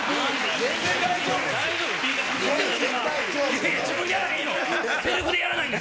全然大丈夫です。